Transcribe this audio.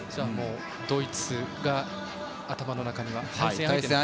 ドイツが頭の中にはあると。